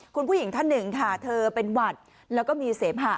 คุณผู้หญิงท่านหนึ่งค่ะเธอเป็นหวัดแล้วก็มีเสมหะ